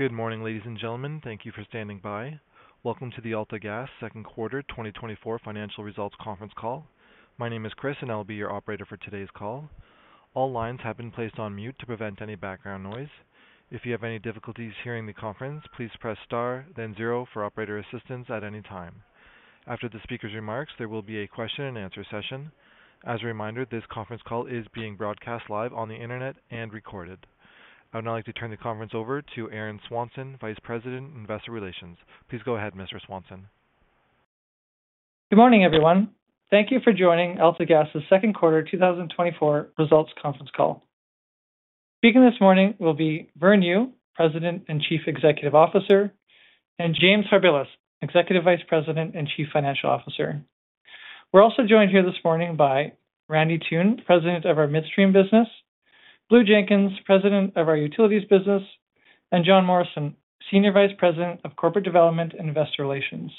Good morning, ladies and gentlemen. Thank you for standing by. Welcome to the AltaGas Q2 2024 Financial Results Conference Call. My name is Chris, and I'll be your operator for today's call. All lines have been placed on mute to prevent any background noise. If you have any difficulties hearing the conference, please press star, then zero for operator assistance at any time. After the speaker's remarks, there will be a question-and-answer session. As a reminder, this conference call is being broadcast live on the internet and recorded. I would now like to turn the conference over to Aaron Swanson, Vice President, Investor Relations. Please go ahead, Mr. Swanson. Good morning, everyone. Thank you for joining AltaGas's Q2 2024 results conference call. Speaking this morning will be Vern Yu, President and Chief Executive Officer, and James Harbilas, Executive Vice President and Chief Financial Officer. We're also joined here this morning by Randy Toone, President of our Midstream business, Blue Jenkins, President of our Utilities business, and Jon Morrison, Senior Vice President of Corporate Development and Investor Relations.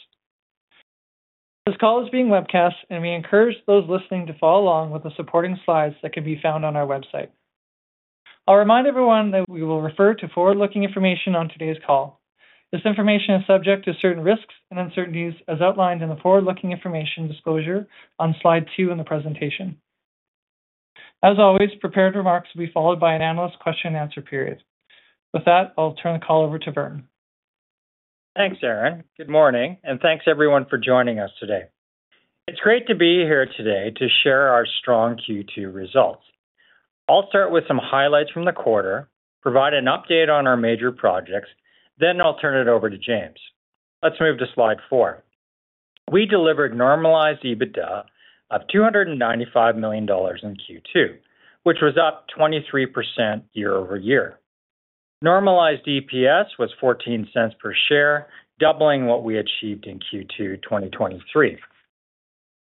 This call is being webcast, and we encourage those listening to follow along with the supporting slides that can be found on our website. I'll remind everyone that we will refer to forward-looking information on today's call. This information is subject to certain risks and uncertainties, as outlined in the forward-looking information disclosure on slide two in the presentation. As always, prepared remarks will be followed by an analyst question-and-answer period. With that, I'll turn the call over to Vern. Thanks, Aaron. Good morning, and thanks, everyone, for joining us today. It's great to be here today to share our strong Q2 results. I'll start with some highlights from the quarter, provide an update on our major projects, then I'll turn it over to James. Let's move to slide 4. We delivered normalized EBITDA of $295 million in Q2, which was up 23% year over year. Normalized EPS was $0.14 per share, doubling what we achieved in Q2 2023.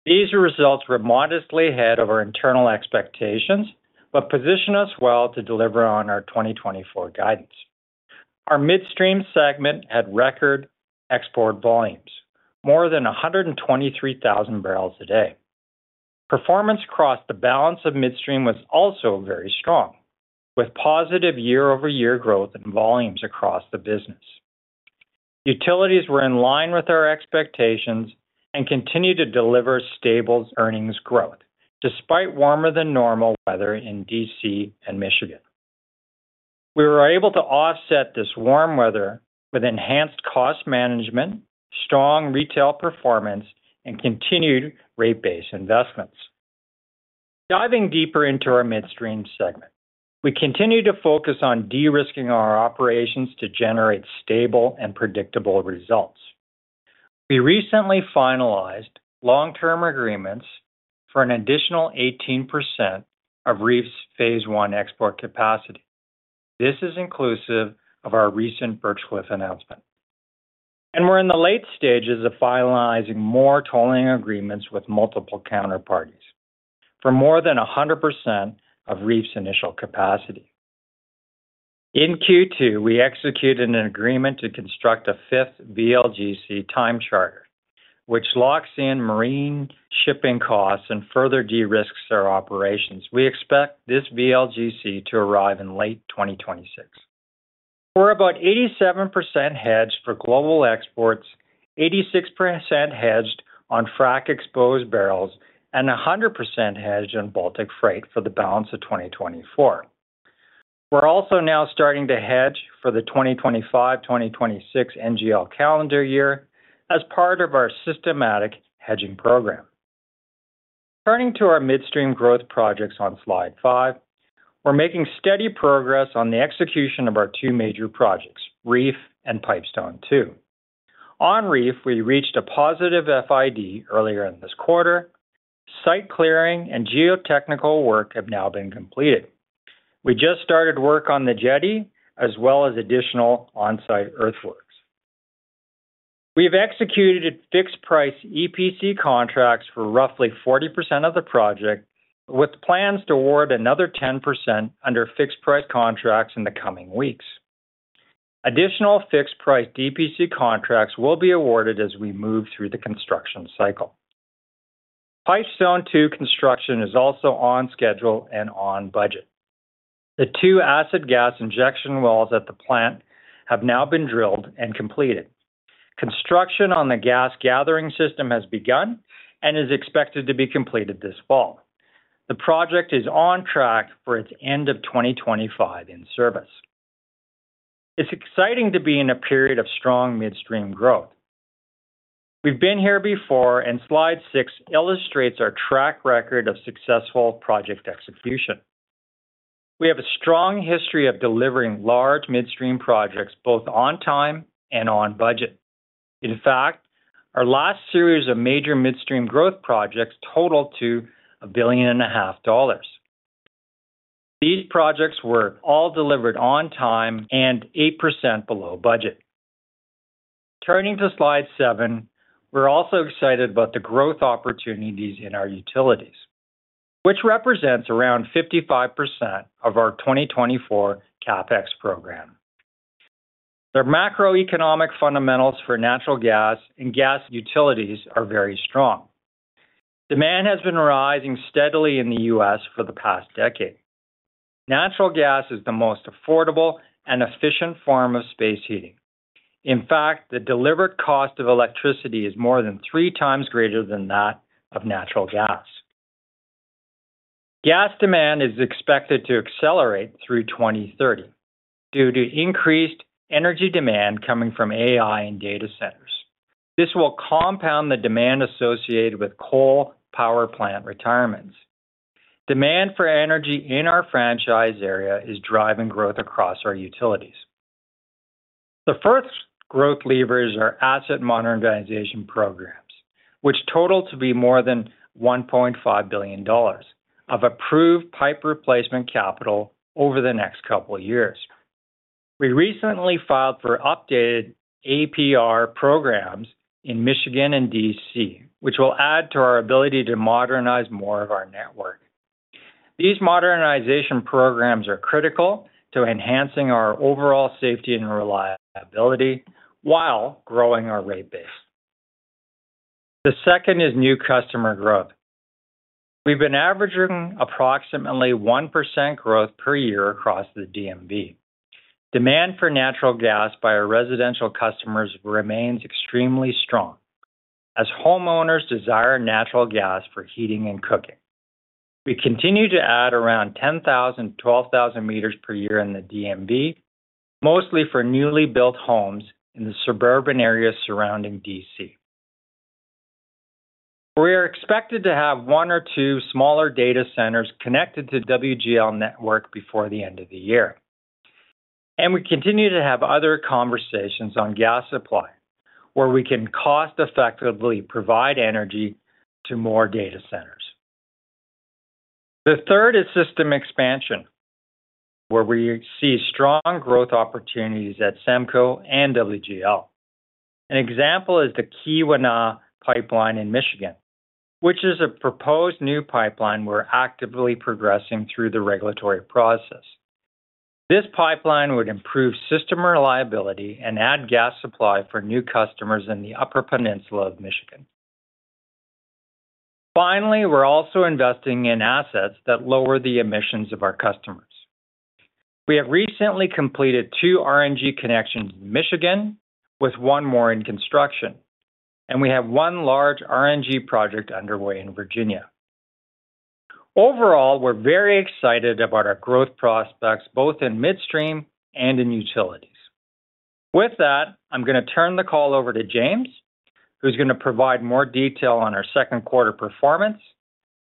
These results were modestly ahead of our internal expectations, but positioned us well to deliver on our 2024 guidance. Our midstream segment had record export volumes, more than 123,000 barrels a day. Performance across the balance of midstream was also very strong, with positive year-over-year growth in volumes across the business. Utilities were in line with our expectations and continued to deliver stable earnings growth, despite warmer-than-normal weather in D.C. and Michigan. We were able to offset this warm weather with enhanced cost management, strong retail performance, and continued rate-based investments. Diving deeper into our midstream segment, we continue to focus on de-risking our operations to generate stable and predictable results. We recently finalized long-term agreements for an additional 18% of Reef's phase one export capacity. This is inclusive of our recent Birchcliffe announcement. We're in the late stages of finalizing more tolling agreements with multiple counterparties for more than 100% of Reef's initial capacity. In Q2, we executed an agreement to construct a fifth VLGC time charter, which locks in marine shipping costs and further de-risks our operations. We expect this VLGC to arrive in late 2026. We're about 87% hedged for global exports, 86% hedged on frac-exposed barrels, and 100% hedged on Baltic freight for the balance of 2024. We're also now starting to hedge for the 2025-2026 NGL calendar year as part of our systematic hedging program. Turning to our midstream growth projects on slide 5, we're making steady progress on the execution of our two major projects, Reef and Pipestone 2. On Reef, we reached a positive FID earlier in this quarter. Site clearing and geotechnical work have now been completed. We just started work on the jetty, as well as additional on-site earthworks. We've executed fixed-price EPC contracts for roughly 40% of the project, with plans to award another 10% under fixed-price contracts in the coming weeks. Additional fixed-price EPC contracts will be awarded as we move through the construction cycle. Pipestone 2 construction is also on schedule and on budget. The two acid gas injection wells at the plant have now been drilled and completed. Construction on the gas gathering system has begun and is expected to be completed this fall. The project is on track for its end of 2025 in service. It's exciting to be in a period of strong midstream growth. We've been here before, and slide 6 illustrates our track record of successful project execution. We have a strong history of delivering large midstream projects both on time and on budget. In fact, our last series of major midstream growth projects totaled to $1.5 billion. These projects were all delivered on time and 8% below budget. Turning to slide 7, we're also excited about the growth opportunities in our utilities, which represents around 55% of our 2024 CapEx program. The macroeconomic fundamentals for natural gas and gas utilities are very strong. Demand has been rising steadily in the U.S. for the past decade. Natural gas is the most affordable and efficient form of space heating. In fact, the delivered cost of electricity is more than three times greater than that of natural gas. Gas demand is expected to accelerate through 2030 due to increased energy demand coming from AI and data centers. This will compound the demand associated with coal power plant retirements. Demand for energy in our franchise area is driving growth across our utilities. The first growth levers are asset modernization programs, which total to be more than $1.5 billion of approved pipe replacement capital over the next couple of years. We recently filed for updated ARP programs in Michigan and D.C., which will add to our ability to modernize more of our network. These modernization programs are critical to enhancing our overall safety and reliability while growing our rate base. The second is new customer growth. We've been averaging approximately 1% growth per year across the DMV. Demand for natural gas by our residential customers remains extremely strong as homeowners desire natural gas for heating and cooking. We continue to add around 10,000-12,000 meters per year in the DMV, mostly for newly built homes in the suburban areas surrounding D.C. We are expected to have one or two smaller data centers connected to the WGL network before the end of the year. We continue to have other conversations on gas supply, where we can cost-effectively provide energy to more data centers. The third is system expansion, where we see strong growth opportunities at SEMCO and WGL. An example is the Keweenaw Pipeline in Michigan, which is a proposed new pipeline we're actively progressing through the regulatory process. This pipeline would improve system reliability and add gas supply for new customers in the Upper Peninsula of Michigan. Finally, we're also investing in assets that lower the emissions of our customers. We have recently completed two RNG connections in Michigan, with one more in construction, and we have one large RNG project underway in Virginia. Overall, we're very excited about our growth prospects both in midstream and in utilities. With that, I'm going to turn the call over to James, who's going to provide more detail on our Q2 performance,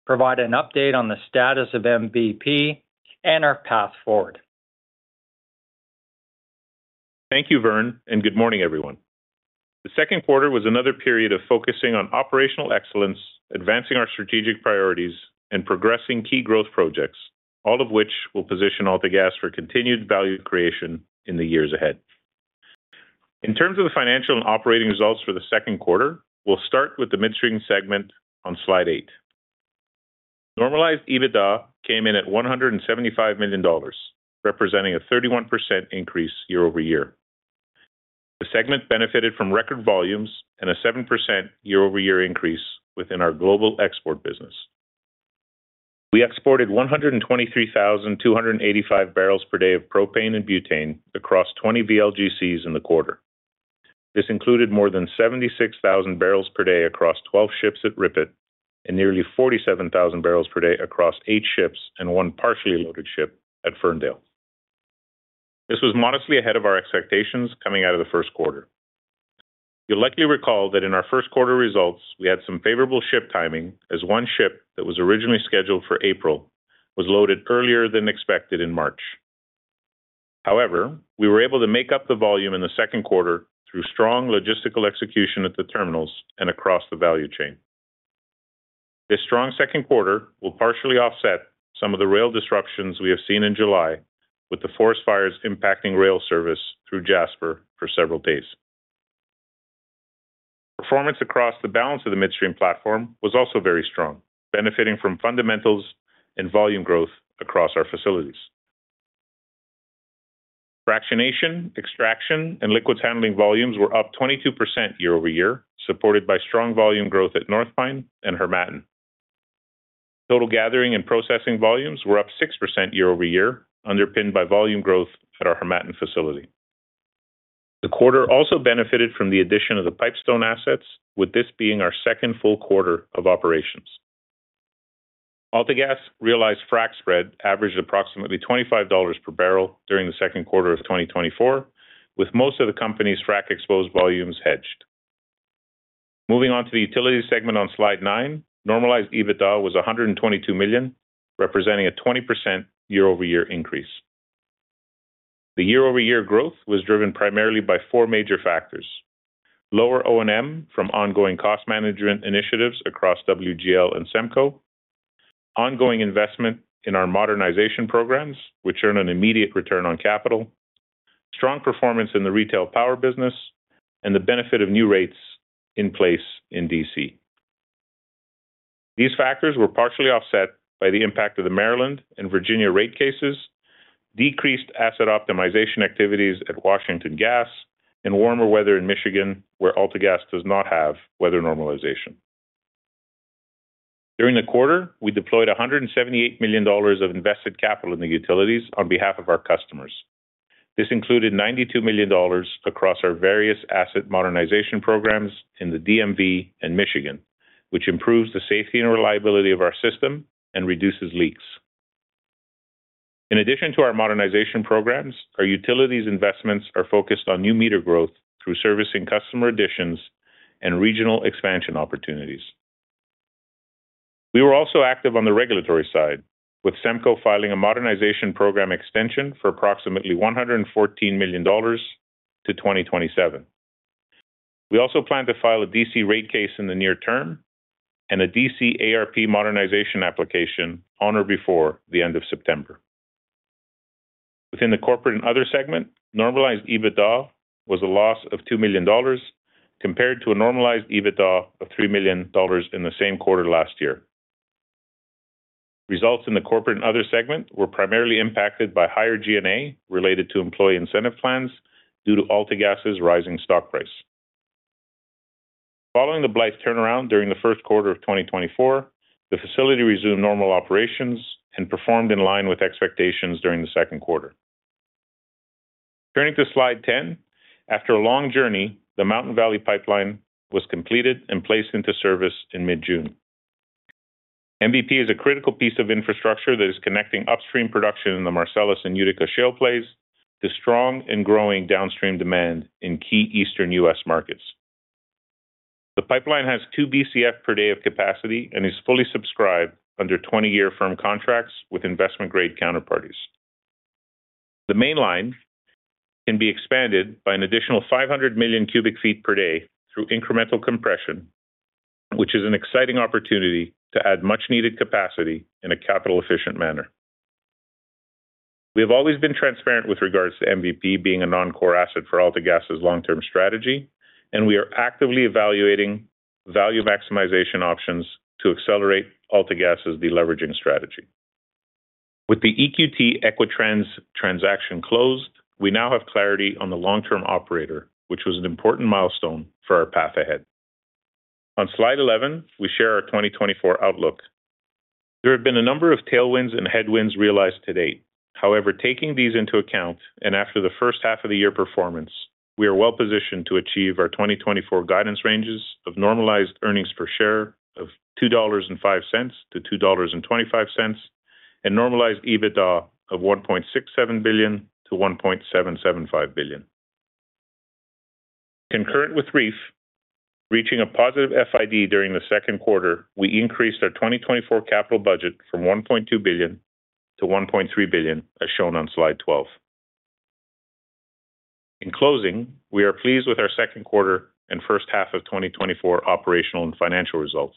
provide an update on the status of MVP, and our path forward. Thank you, Vern, and good morning, everyone. The Q2 was another period of focusing on operational excellence, advancing our strategic priorities, and progressing key growth projects, all of which will position AltaGas for continued value creation in the years ahead. In terms of the financial and operating results for the Q2, we'll start with the midstream segment on slide eight. Normalized EBITDA came in at $175 million, representing a 31% increase year-over-year. The segment benefited from record volumes and a 7% year-over-year increase within our global export business. We exported 123,285 barrels per day of propane and butane across 20 VLGCs in the quarter. This included more than 76,000 barrels per day across 12 ships at Ripett and nearly 47,000 barrels per day across eight ships and one partially loaded ship at Ferndale. This was modestly ahead of our expectations coming out of the Q1. You'll likely recall that in our Q1 results, we had some favorable ship timing, as one ship that was originally scheduled for April was loaded earlier than expected in March. However, we were able to make up the volume in the Q2 through strong logistical execution at the terminals and across the value chain. This strong Q2 will partially offset some of the rail disruptions we have seen in July, with the forest fires impacting rail service through Jasper for several days. Performance across the balance of the midstream platform was also very strong, benefiting from fundamentals and volume growth across our facilities. Fractionation, extraction, and liquids handling volumes were up 22% year-over-year, supported by strong volume growth at North Pine and Hermatin. Total gathering and processing volumes were up 6% year-over-year, underpinned by volume growth at our Hermatin facility. The quarter also benefited from the addition of the Pipestone assets, with this being our second full quarter of operations. AltaGas realized frac spread averaged approximately $25 per barrel during the Q2 of 2024, with most of the company's frac-exposed volumes hedged. Moving on to the utility segment on slide nine, normalized EBITDA was $122 million, representing a 20% year-over-year increase. The year-over-year growth was driven primarily by four major factors: lower O&M from ongoing cost management initiatives across WGL and SEMCO, ongoing investment in our modernization programs, which earn an immediate return on capital, strong performance in the retail power business, and the benefit of new rates in place in D.C. These factors were partially offset by the impact of the Maryland and Virginia rate cases, decreased asset optimization activities at Washington Gas, and warmer weather in Michigan, where AltaGas does not have weather normalization. During the quarter, we deployed $178 million of invested capital in the utilities on behalf of our customers. This included $92 million across our various asset modernization programs in the DMV and Michigan, which improves the safety and reliability of our system and reduces leaks. In addition to our modernization programs, our utilities investments are focused on new meter growth through servicing customer additions and regional expansion opportunities. We were also active on the regulatory side, with SEMCO filing a modernization program extension for approximately $114 million to 2027. We also plan to file a D.C. rate case in the near term and a D.C. ARP modernization application on or before the end of September. Within the corporate and other segment, normalized EBITDA was a loss of $2 million compared to a normalized EBITDA of $3 million in the same quarter last year. Results in the corporate and other segment were primarily impacted by higher G&A related to employee incentive plans due to AltaGas's rising stock price. Following the Blythe turnaround during the Q1 of 2024, the facility resumed normal operations and performed in line with expectations during the Q2. Turning to slide 10, after a long journey, the Mountain Valley Pipeline was completed and placed into service in mid-June. MVP is a critical piece of infrastructure that is connecting upstream production in the Marcellus and Utica Shale plays to strong and growing downstream demand in key Eastern U.S. markets. The pipeline has 2 BCF per day of capacity and is fully subscribed under 20-year firm contracts with investment-grade counterparties. The main line can be expanded by an additional 500 million cubic feet per day through incremental compression, which is an exciting opportunity to add much-needed capacity in a capital-efficient manner. We have always been transparent with regards to MVP being a non-core asset for AltaGas's long-term strategy, and we are actively evaluating value maximization options to accelerate AltaGas's deleveraging strategy. With the EQT Equitrans transaction closed, we now have clarity on the long-term operator, which was an important milestone for our path ahead. On slide 11, we share our 2024 outlook. There have been a number of tailwinds and headwinds realized to date. However, taking these into account and after the first half of the year performance, we are well positioned to achieve our 2024 guidance ranges of normalized earnings per share of $2.05-$2.25 and normalized EBITDA of $1.67-$1.775 billion. Concurrent with Reef, reaching a positive FID during the Q2, we increased our 2024 capital budget from $1.2-$1.3 billion, as shown on slide 12. In closing, we are pleased with our second quarter and first half of 2024 operational and financial results.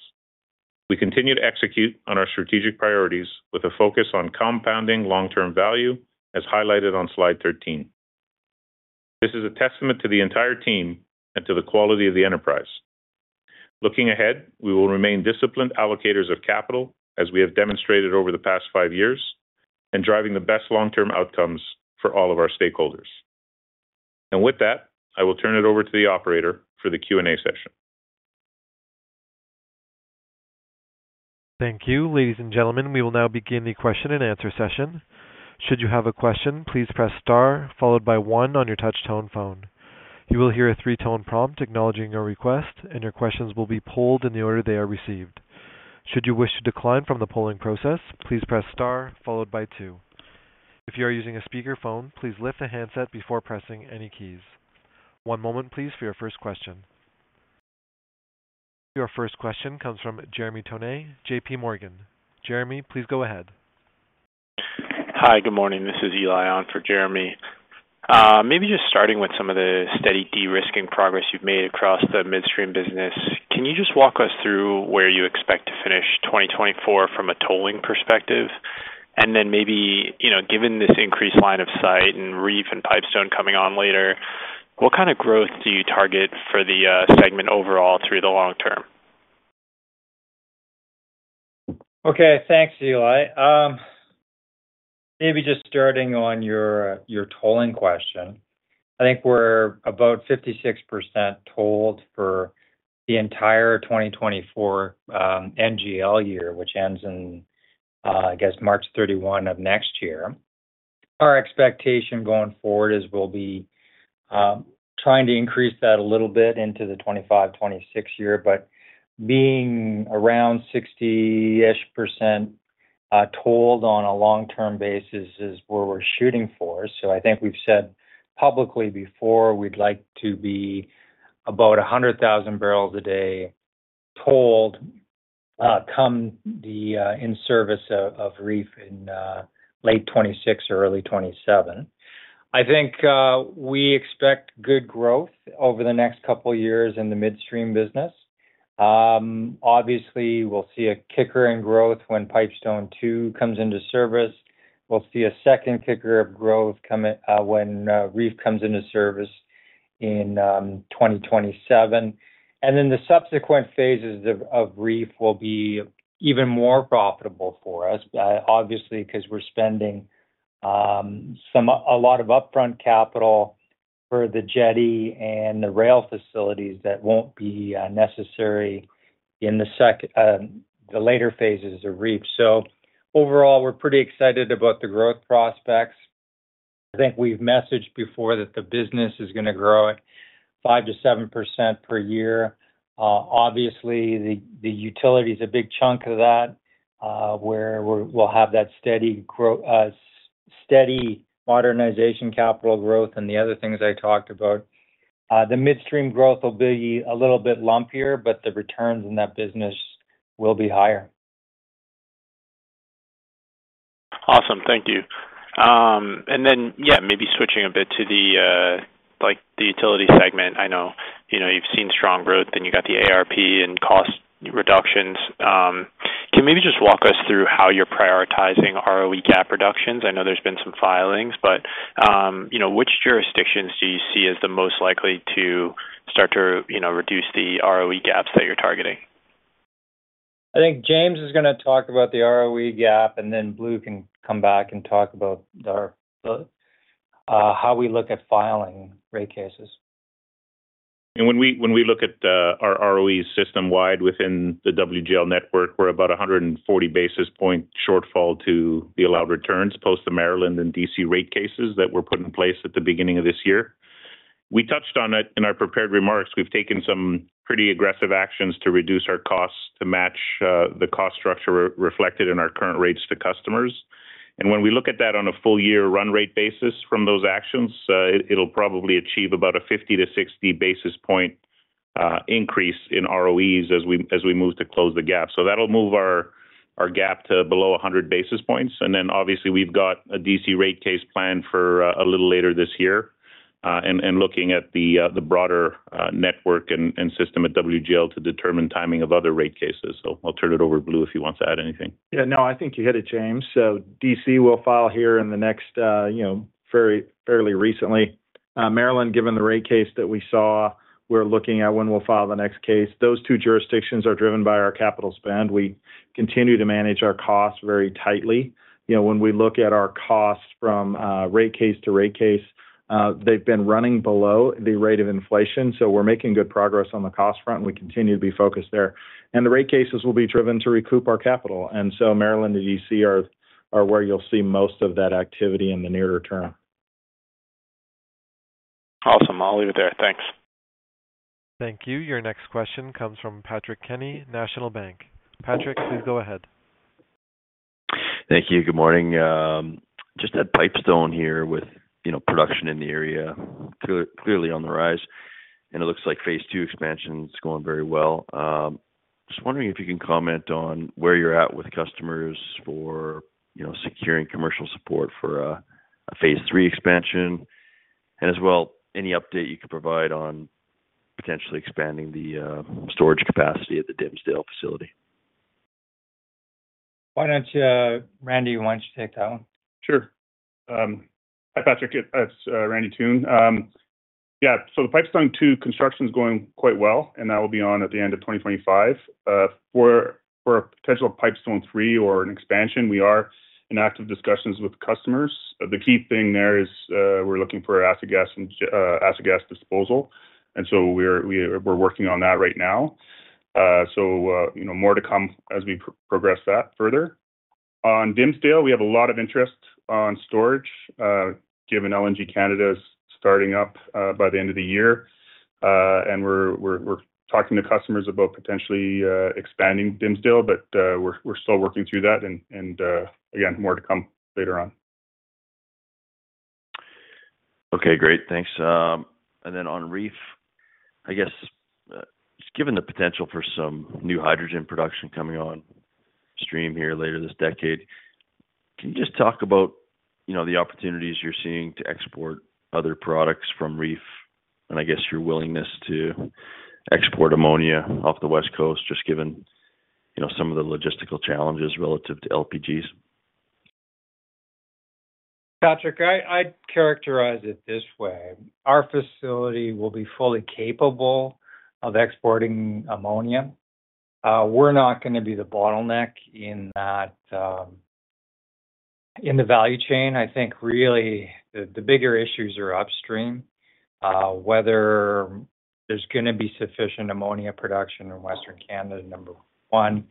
We continue to execute on our strategic priorities with a focus on compounding long-term value, as highlighted on slide 13. This is a testament to the entire team and to the quality of the enterprise. Looking ahead, we will remain disciplined allocators of capital, as we have demonstrated over the past five years, and driving the best long-term outcomes for all of our stakeholders. With that, I will turn it over to the operator for the Q&A session. Thank you. Ladies and gentlemen, we will now begin the question and answer session. Should you have a question, please press star followed by one on your touch-tone phone. You will hear a three-tone prompt acknowledging your request, and your questions will be polled in the order they are received. Should you wish to decline from the polling process, please press star followed by two. If you are using a speakerphone, please lift the handset before pressing any keys. One moment, please, for your first question. Your first question comes from Jeremy Toone, J.P. Morgan. Jeremy, please go ahead. Hi, good morning. This is Eli on for Jeremy. Maybe just starting with some of the steady de-risking progress you've made across the midstream business, can you just walk us through where you expect to finish 2024 from a tolling perspective? And then maybe given this increased line of sight and Reef and Pipestone coming on later, what kind of growth do you target for the segment overall through the long term? Okay. Thanks, Eli. Maybe just starting on your tolling question, I think we're about 56% tolled for the entire 2024 NGL year, which ends in, I guess, March 31 of next year. Our expectation going forward is we'll be trying to increase that a little bit into the 2025, 2026 year, but being around 60%-ish tolled on a long-term basis is where we're shooting for. So I think we've said publicly before we'd like to be about 100,000 barrels a day tolled come the in-service of Reef in late 2026 or early 2027. I think we expect good growth over the next couple of years in the midstream business. Obviously, we'll see a kicker in growth when Pipestone 2 comes into service. We'll see a second kicker of growth when Reef comes into service in 2027. Then the subsequent phases of Reef will be even more profitable for us, obviously, because we're spending a lot of upfront capital for the jetty and the rail facilities that won't be necessary in the later phases of Reef. Overall, we're pretty excited about the growth prospects. I think we've messaged before that the business is going to grow at 5%-7% per year. Obviously, the utility is a big chunk of that, where we'll have that steady modernization capital growth and the other things I talked about. The midstream growth will be a little bit lumpier, but the returns in that business will be higher. Awesome. Thank you. And then, yeah, maybe switching a bit to the utility segment. I know you've seen strong growth, and you got the ARP and cost reductions. Can you maybe just walk us through how you're prioritizing ROE gap reductions? I know there's been some filings, but which jurisdictions do you see as the most likely to start to reduce the ROE gaps that you're targeting? I think James is going to talk about the ROE gap, and then Blue can come back and talk about how we look at filing rate cases. When we look at our ROE system-wide within the WGL network, we're about 140 basis points shortfall to the allowed returns post the Maryland and D.C. rate cases that were put in place at the beginning of this year. We touched on it in our prepared remarks. We've taken some pretty aggressive actions to reduce our costs to match the cost structure reflected in our current rates to customers. When we look at that on a full-year run rate basis from those actions, it'll probably achieve about a 50-60 basis point increase in ROEs as we move to close the gap. That'll move our gap to below 100 basis points. Then, obviously, we've got a D.C. rate case planned for a little later this year and looking at the broader network and system at WGL to determine timing of other rate cases. I'll turn it over to Blue if he wants to add anything. Yeah. No, I think you hit it, James. So D.C. will file here in the next fairly recently. Maryland, given the rate case that we saw, we're looking at when we'll file the next case. Those two jurisdictions are driven by our capital spend. We continue to manage our costs very tightly. When we look at our costs from rate case to rate case, they've been running below the rate of inflation. So we're making good progress on the cost front, and we continue to be focused there. And the rate cases will be driven to recoup our capital. And so Maryland and D.C. are where you'll see most of that activity in the nearer term. Awesome. I'll leave it there. Thanks. Thank you. Your next question comes from Patrick Kenny, National Bank. Patrick, please go ahead. Thank you. Good morning. Just at Pipestone here with production in the area clearly on the rise, and it looks like phase two expansion is going very well. Just wondering if you can comment on where you're at with customers for securing commercial support for a phase three expansion, and as well, any update you can provide on potentially expanding the storage capacity at the Dimsdale facility. Why don't you, Randy, why don't you take that one? Sure. Hi, Patrick. It's Randy Toone. Yeah. So the Pipestone 2 construction is going quite well, and that will be on at the end of 2025. For a potential Pipestone 3 or an expansion, we are in active discussions with customers. The key thing there is we're looking for acid gas and acid gas disposal. And so we're working on that right now. So more to come as we progress that further. On Dimsdale, we have a lot of interest on storage, given LNG Canada is starting up by the end of the year. And we're talking to customers about potentially expanding Dimsdale, but we're still working through that. And again, more to come later on. Okay. Great. Thanks. And then on Reef, I guess, given the potential for some new hydrogen production coming on stream here later this decade, can you just talk about the opportunities you're seeing to export other products from Reef and, I guess, your willingness to export ammonia off the West Coast, just given some of the logistical challenges relative to LPGs? Patrick, I'd characterize it this way. Our facility will be fully capable of exporting ammonia. We're not going to be the bottleneck in the value chain. I think really the bigger issues are upstream, whether there's going to be sufficient ammonia production in Western Canada, number one.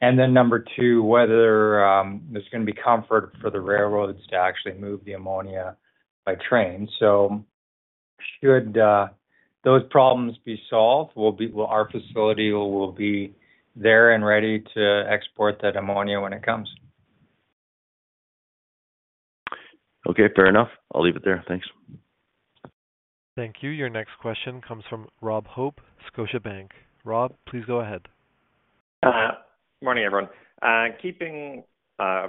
And then number two, whether there's going to be comfort for the railroads to actually move the ammonia by train. So should those problems be solved, our facility will be there and ready to export that ammonia when it comes. Okay. Fair enough. I'll leave it there. Thanks. Thank you. Your next question comes from Rob Hope, Scotia Bank. Rob, please go ahead. Good morning, everyone. Keeping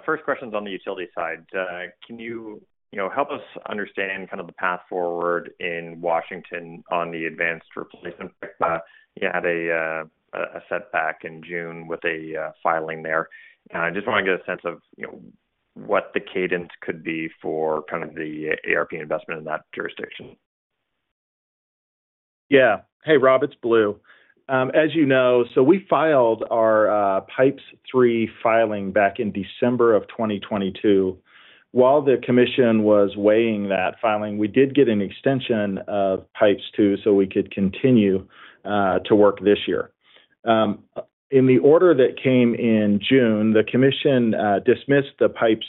first questions on the utility side, can you help us understand kind of the path forward in Washington on the advanced replacement? You had a setback in June with a filing there. I just want to get a sense of what the cadence could be for kind of the ARP investment in that jurisdiction. Yeah. Hey, Rob, it's Blue. As you know, so we filed our pipes three filing back in December of 2022. While the commission was weighing that filing, we did get an extension of pipes two so we could continue to work this year. In the order that came in June, the commission dismissed the pipes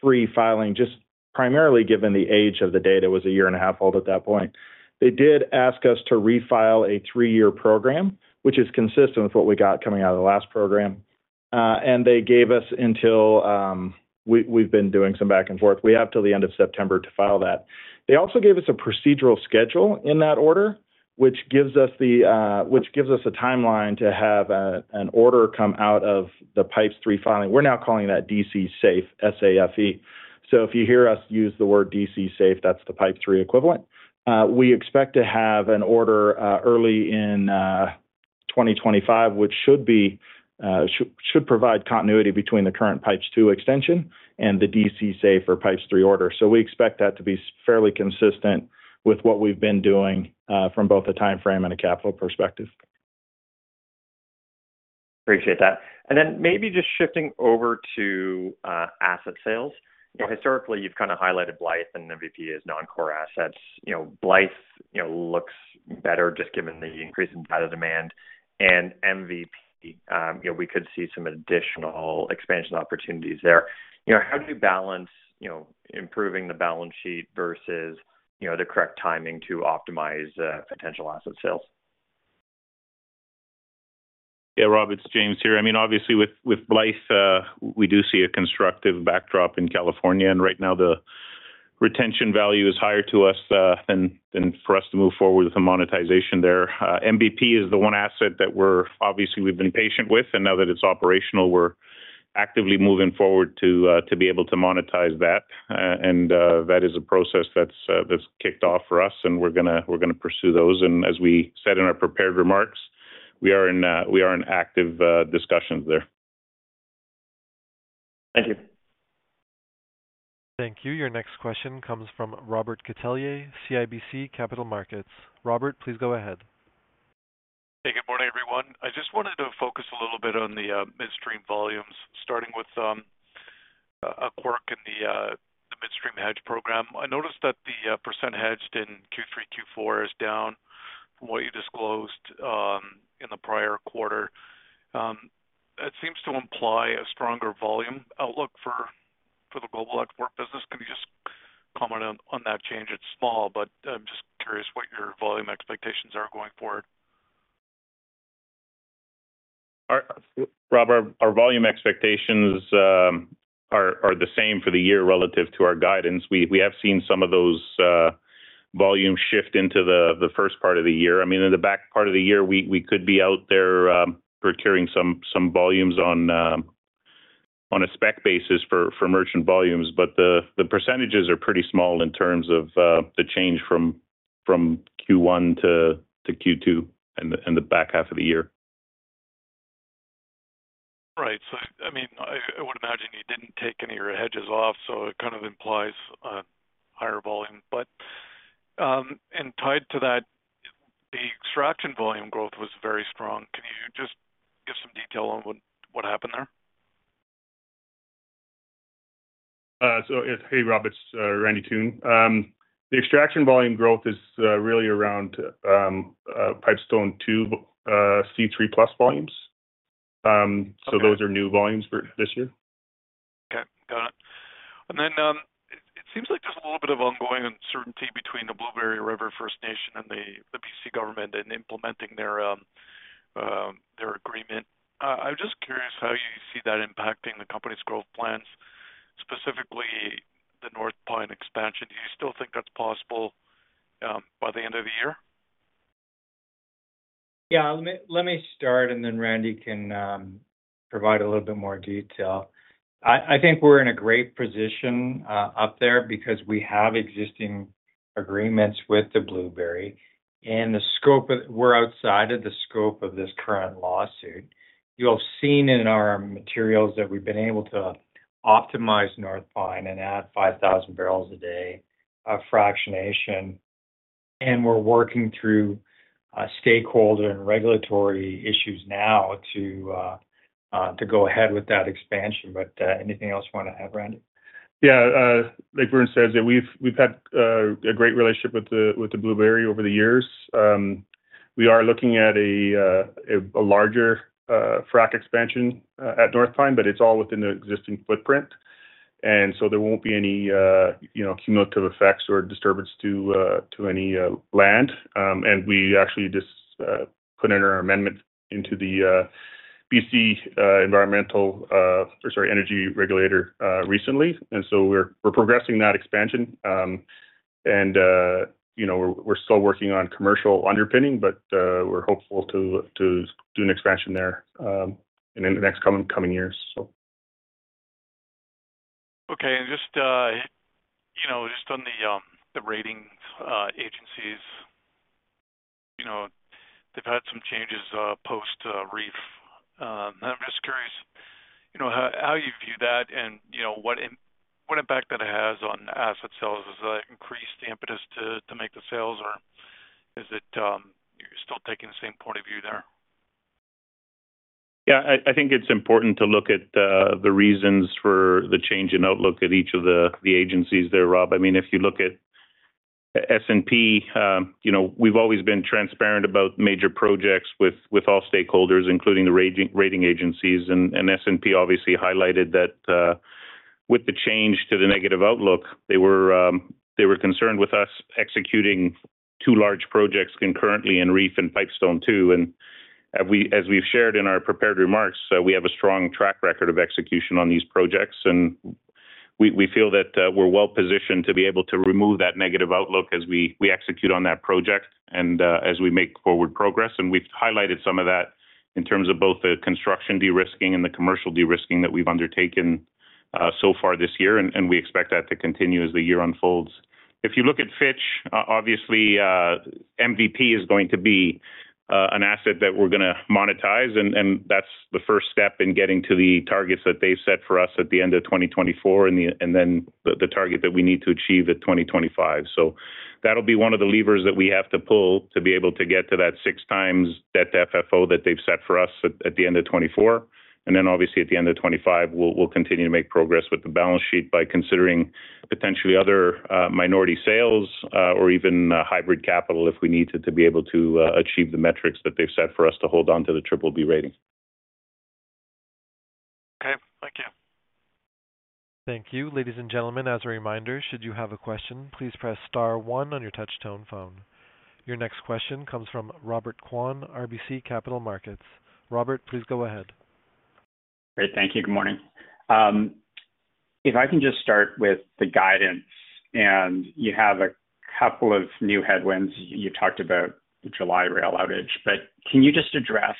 three filing just primarily given the age of the data was a year and a half old at that point. They did ask us to refile a three-year program, which is consistent with what we got coming out of the last program. And they gave us until we've been doing some back and forth. We have till the end of September to file that. They also gave us a procedural schedule in that order, which gives us a timeline to have an order come out of the pipes three filing. We're now calling that DC Safe, S-A-F-E. So if you hear us use the word DC Safe, that's the pipe three equivalent. We expect to have an order early in 2025, which should provide continuity between the current pipes two extension and the DC Safe or pipes three order. So we expect that to be fairly consistent with what we've been doing from both a timeframe and a capital perspective. Appreciate that. Then maybe just shifting over to asset sales. Historically, you've kind of highlighted Blythe and MVP as non-core assets. Blythe looks better just given the increase in data demand. MVP, we could see some additional expansion opportunities there. How do you balance improving the balance sheet versus the correct timing to optimize potential asset sales? Yeah, Rob, it's James here. I mean, obviously, with Blythe, we do see a constructive backdrop in California. And right now, the retention value is higher to us than for us to move forward with the monetization there. MVP is the one asset that we're obviously, we've been patient with. And now that it's operational, we're actively moving forward to be able to monetize that. And that is a process that's kicked off for us, and we're going to pursue those. And as we said in our prepared remarks, we are in active discussions there. Thank you. Thank you. Your next question comes from Robert Catellier, CIBC Capital Markets. Robert, please go ahead. Hey, good morning, everyone. I just wanted to focus a little bit on the midstream volumes, starting with a quirk in the midstream hedge program. I noticed that the % hedged in Q3, Q4 is down from what you disclosed in the prior quarter. It seems to imply a stronger volume outlook for the global export business. Can you just comment on that change? It's small, but I'm just curious what your volume expectations are going forward. All right. Robert, our volume expectations are the same for the year relative to our guidance. We have seen some of those volumes shift into the first part of the year. I mean, in the back part of the year, we could be out there procuring some volumes on a spec basis for merchant volumes, but the percentages are pretty small in terms of the change from Q1 to Q2 and the back half of the year. Right. So I mean, I would imagine you didn't take any of your hedges off, so it kind of implies a higher volume. But tied to that, the extraction volume growth was very strong. Can you just give some detail on what happened there? So hey, Robert, it's Randy Toone. The extraction volume growth is really around Pipestone 2 C3 plus volumes. So those are new volumes for this year. Okay. Got it. And then it seems like there's a little bit of ongoing uncertainty between the Blueberry River First Nation and the BC government in implementing their agreement. I'm just curious how you see that impacting the company's growth plans, specifically the North Pine expansion. Do you still think that's possible by the end of the year? Yeah. Let me start, and then Randy can provide a little bit more detail. I think we're in a great position up there because we have existing agreements with the Blueberry. And we're outside of the scope of this current lawsuit. You'll have seen in our materials that we've been able to optimize North Pine and add 5,000 barrels a day of fractionation. And we're working through stakeholder and regulatory issues now to go ahead with that expansion. But anything else you want to add, Randy? Yeah. Like Bruce says, we've had a great relationship with the Blueberry over the years. We are looking at a larger frac expansion at North Pine, but it's all within the existing footprint. And so there won't be any cumulative effects or disturbance to any land. And we actually just put in our amendment into the BC Environmental or, sorry, Energy Regulator recently. And so we're progressing that expansion. And we're still working on commercial underpinning, but we're hopeful to do an expansion there in the next coming years, so. Okay. Just on the rating agencies, they've had some changes post-Reef. I'm just curious how you view that and what impact that has on asset sales? Is that increased the impetus to make the sales, or is it still taking the same point of view there? Yeah. I think it's important to look at the reasons for the change in outlook at each of the agencies there, Rob. I mean, if you look at S&P, we've always been transparent about major projects with all stakeholders, including the rating agencies. And S&P obviously highlighted that with the change to the negative outlook, they were concerned with us executing two large projects concurrently in Reef and Pipestone 2. And as we've shared in our prepared remarks, we have a strong track record of execution on these projects. And we feel that we're well positioned to be able to remove that negative outlook as we execute on that project and as we make forward progress. And we've highlighted some of that in terms of both the construction derisking and the commercial derisking that we've undertaken so far this year. And we expect that to continue as the year unfolds. If you look at Fitch, obviously, MVP is going to be an asset that we're going to monetize. That's the first step in getting to the targets that they've set for us at the end of 2024 and then the target that we need to achieve at 2025. That'll be one of the levers that we have to pull to be able to get to that 6x debt FFO that they've set for us at the end of 2024. Then obviously, at the end of 2025, we'll continue to make progress with the balance sheet by considering potentially other minority sales or even hybrid capital if we need to be able to achieve the metrics that they've set for us to hold on to the BBB rating. Okay. Thank you. Thank you. Ladies and gentlemen, as a reminder, should you have a question, please press star one on your touch-tone phone. Your next question comes from Robert Kwan, RBC Capital Markets. Robert, please go ahead. Great. Thank you. Good morning. If I can just start with the guidance, and you have a couple of new headwinds. You talked about the July rail outage, but can you just address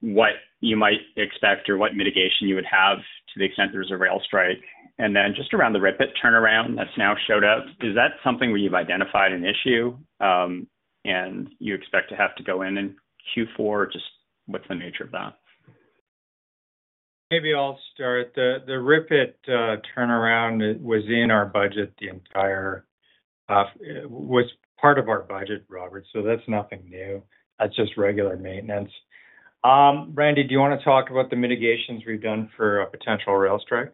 what you might expect or what mitigation you would have to the extent there's a rail strike? And then just around the RIPET turnaround that's now showed up, is that something where you've identified an issue and you expect to have to go in in Q4? Just what's the nature of that? Maybe I'll start. The RIPET turnaround was in our budget the entire time. It was part of our budget, Robert, so that's nothing new. That's just regular maintenance. Randy, do you want to talk about the mitigations we've done for a potential rail strike?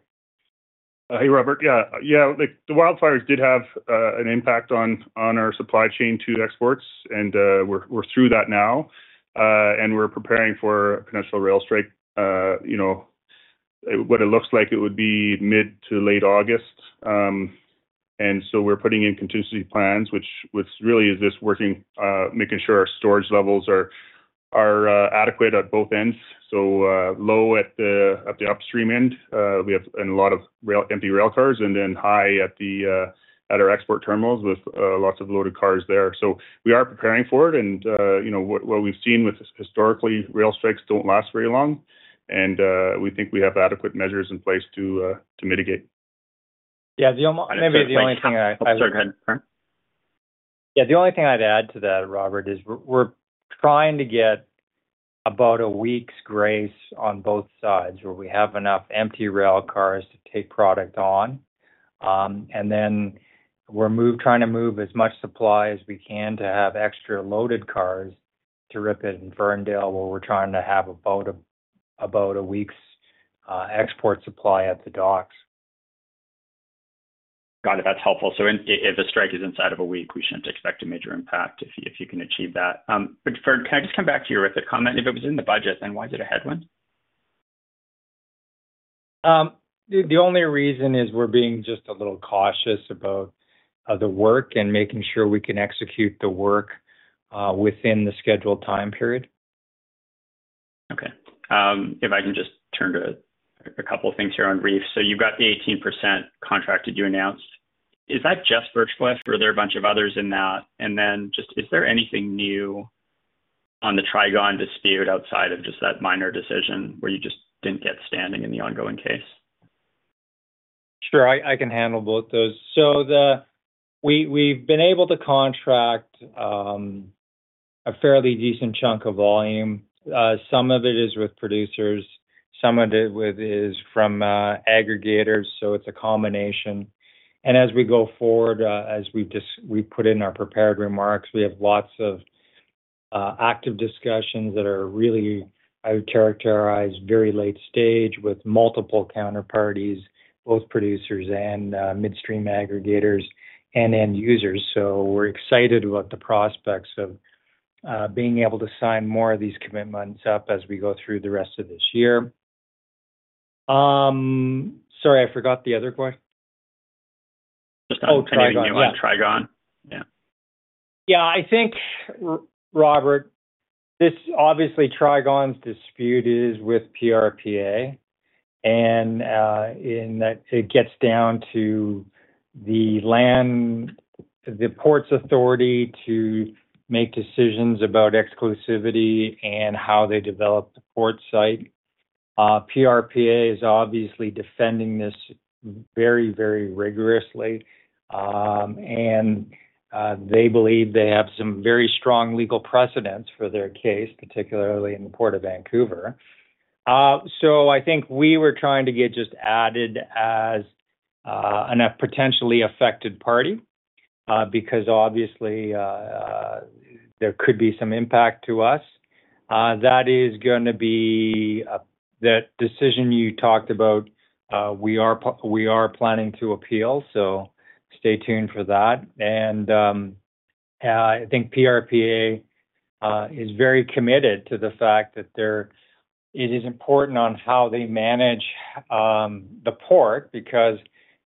Hey, Robert. Yeah. Yeah. The wildfires did have an impact on our supply chain to exports, and we're through that now. And we're preparing for a potential rail strike, what it looks like it would be mid to late August. And so we're putting in contingency plans, which really is just working, making sure our storage levels are adequate at both ends. So low at the upstream end, we have a lot of empty rail cars, and then high at our export terminals with lots of loaded cars there. So we are preparing for it. And what we've seen with historically, rail strikes don't last very long. And we think we have adequate measures in place to mitigate. Yeah. Maybe the only thing I'd. Sorry. Go ahead. Yeah. The only thing I'd add to that, Robert, is we're trying to get about a week's grace on both sides where we have enough empty rail cars to take product on. And then we're trying to move as much supply as we can to have extra loaded cars to ship it in Ferndale, where we're trying to have about a week's export supply at the docks. Got it. That's helpful. So if a strike is inside of a week, we shouldn't expect a major impact if you can achieve that. But can I just come back to you with a comment? If it was in the budget, then why is it a headwind? The only reason is we're being just a little cautious about the work and making sure we can execute the work within the scheduled time period. Okay. If I can just turn to a couple of things here on Reef. So you've got the 18% contract that you announced. Is that just Virchow? Are there a bunch of others in that? And then just is there anything new on the Trigon dispute outside of just that minor decision where you just didn't get standing in the ongoing case? Sure. I can handle both those. So we've been able to contract a fairly decent chunk of volume. Some of it is with producers. Some of it is from aggregators. So it's a combination. And as we go forward, as we put in our prepared remarks, we have lots of active discussions that are really, I would characterize, very late stage with multiple counterparties, both producers and midstream aggregators and end users. So we're excited about the prospects of being able to sign more of these commitments up as we go through the rest of this year. Sorry, I forgot the other question. Just on Trigon. Oh, Trigon. Yeah. Trigon. Yeah. Yeah. I think, Robert, this obviously Trigon's dispute is with PRPA. And it gets down to the port's authority to make decisions about exclusivity and how they develop the port site. PRPA is obviously defending this very, very rigorously. And they believe they have some very strong legal precedents for their case, particularly in the Port of Vancouver. So I think we were trying to get just added as a potentially affected party because obviously, there could be some impact to us. That is going to be that decision you talked about. We are planning to appeal. So stay tuned for that. And I think PRPA is very committed to the fact that it is important on how they manage the port because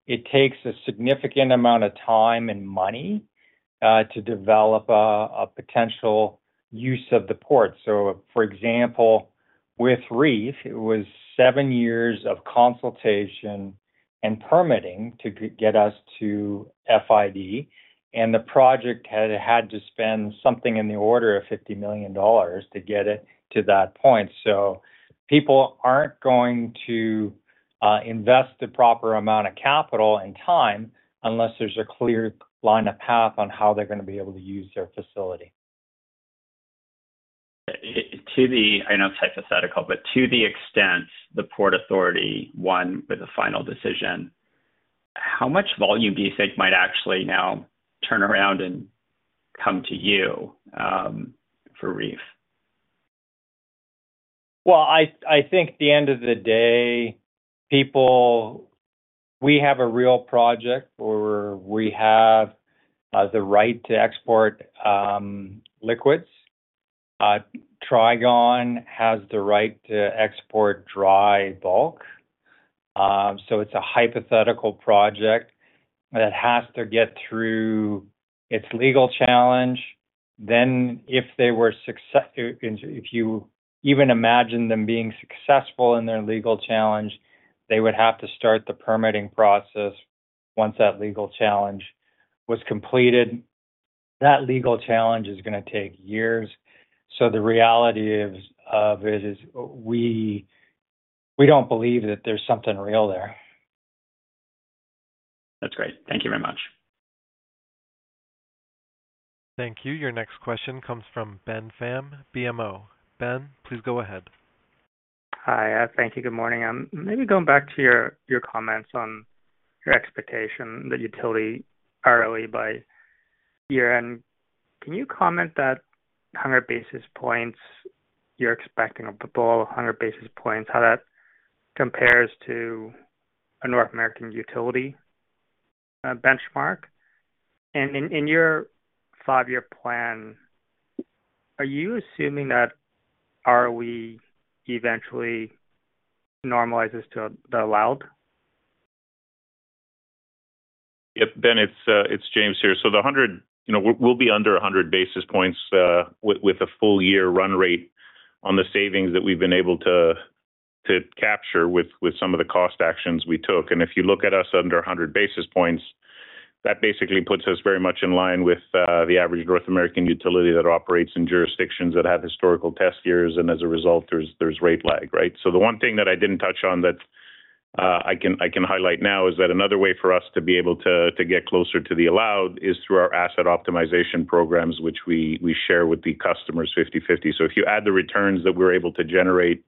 it takes a significant amount of time and money to develop a potential use of the port. For example, with Reef, it was seven years of consultation and permitting to get us to FID. The project had to spend something in the order of $50 million to get it to that point. People aren't going to invest the proper amount of capital and time unless there's a clear line of path on how they're going to be able to use their facility. I know it's hypothetical, but to the extent the port authority won with a final decision, how much volume do you think might actually now turn around and come to you for Reef? Well, I think at the end of the day, we have a real project where we have the right to export liquids. Trigon has the right to export dry bulk. So it's a hypothetical project that has to get through its legal challenge. Then if they were successful, if you even imagine them being successful in their legal challenge, they would have to start the permitting process once that legal challenge was completed. That legal challenge is going to take years. So the reality of it is we don't believe that there's something real there. That's great. Thank you very much. Thank you. Your next question comes from Ben Pham, BMO. Ben, please go ahead. Hi. Thank you. Good morning. Maybe going back to your comments on your expectation that utility ROE by year-end, can you comment that 100 basis points you're expecting a ballpark of 100 basis points, how that compares to a North American utility benchmark? And in your five-year plan, are you assuming that ROE eventually normalizes to the allowed? Yep. Ben, it's James here. So we'll be under 100 basis points with a full-year run rate on the savings that we've been able to capture with some of the cost actions we took. And if you look at us under 100 basis points, that basically puts us very much in line with the average North American utility that operates in jurisdictions that have historical test years. And as a result, there's rate lag, right? So the one thing that I didn't touch on that I can highlight now is that another way for us to be able to get closer to the allowed is through our asset optimization programs, which we share with the customers 50/50. So if you add the returns that we're able to generate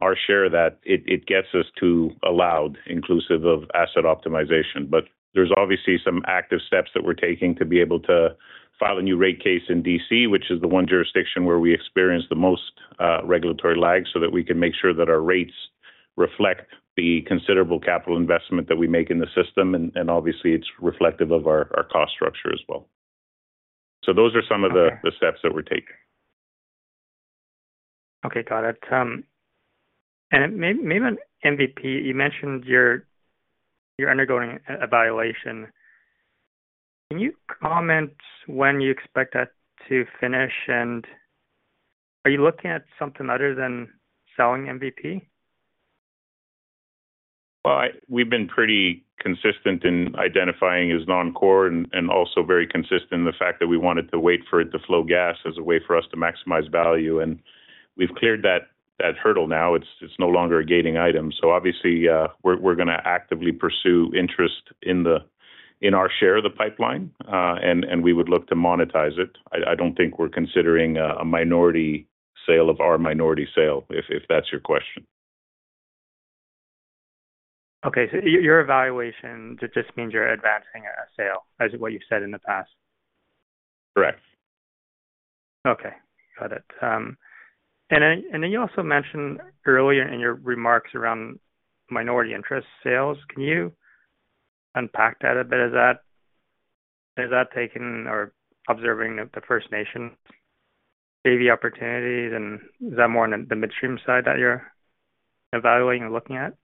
our share of that, it gets us to allowed, inclusive of asset optimization. There's obviously some active steps that we're taking to be able to file a new rate case in D.C., which is the one jurisdiction where we experience the most regulatory lag so that we can make sure that our rates reflect the considerable capital investment that we make in the system. Obviously, it's reflective of our cost structure as well. Those are some of the steps that we're taking. Okay. Got it. And maybe on MVP, you mentioned you're undergoing evaluation. Can you comment when you expect that to finish? And are you looking at something other than selling MVP? Well, we've been pretty consistent in identifying as non-core and also very consistent in the fact that we wanted to wait for it to flow gas as a way for us to maximize value. And we've cleared that hurdle now. It's no longer a gating item. So obviously, we're going to actively pursue interest in our share of the pipeline. And we would look to monetize it. I don't think we're considering a minority sale of our minority sale, if that's your question? Okay. Your evaluation, it just means you're advancing a sale, as what you've said in the past. Correct. Okay. Got it. And then you also mentioned earlier in your remarks around minority interest sales. Can you unpack that a bit? Is that taken or observing the First Nation maybe opportunities? And is that more on the midstream side that you're evaluating and looking at?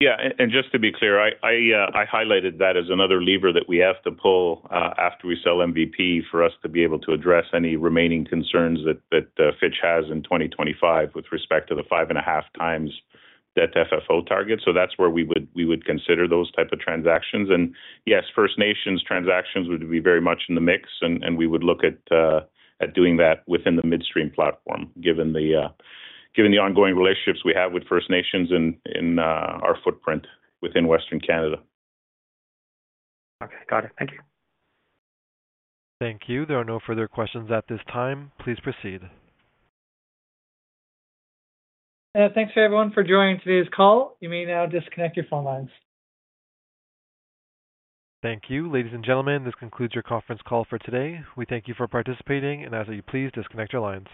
Yeah. And just to be clear, I highlighted that as another lever that we have to pull after we sell MVP for us to be able to address any remaining concerns that Fitch has in 2025 with respect to the 5.5x debt FFO target. So that's where we would consider those type of transactions. And yes, First Nations transactions would be very much in the mix. And we would look at doing that within the midstream platform, given the ongoing relationships we have with First Nations and our footprint within Western Canada. Okay. Got it. Thank you. Thank you. There are no further questions at this time. Please proceed. Thanks for everyone for joining today's call. You may now disconnect your phone lines. Thank you. Ladies and gentlemen, this concludes your conference call for today. We thank you for participating. And as you please, disconnect your lines.